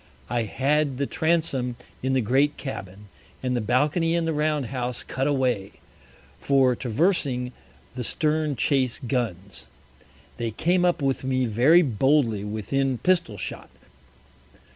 I had the Transome in the great Cabin, and the Balcony in the Round house cut away, for traversing the Stern Chase Guns. They came up with me very boldly within Pistol shot.